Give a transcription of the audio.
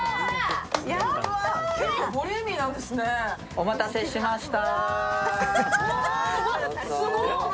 お待たせしました。